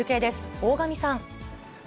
大神さん。